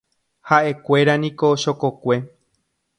Ha'ekuéraniko chokokue.